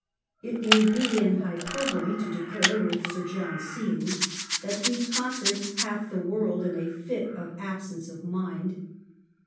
It may be an hyperbole to declare, with Sir John Seeley, that we conquered half the world in a fit of absence of mind.